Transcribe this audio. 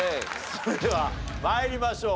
それでは参りましょう。